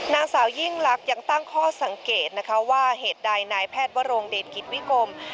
นางสาวยิ่งลักษณ์ยังตั้งข้อสังเกตนะคะว่าเหตุใดนายแพทย์วรงเดชกิจวิกรม